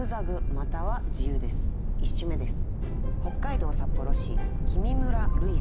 １首目です。